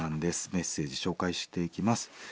メッセージ紹介していきます。